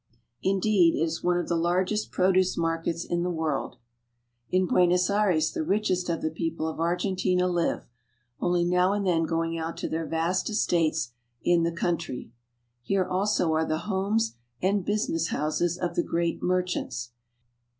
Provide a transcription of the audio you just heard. Indeed, it is one of the largest produce markets in the world. In Buenos Aires the richest of the people of Argentina live, only now and then going out to their vast estates in the country. Here also are the homes and business houses of the great merchants.